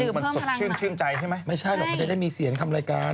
มันสดชื่นชื่นใจใช่ไหมไม่ใช่หรอกมันจะได้มีเสียงทำรายการ